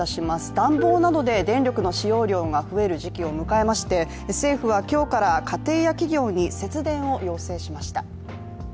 暖房などで、電力の使用量が増える時期を迎えまして、政府は今日から家庭や企業に節電を要請しました。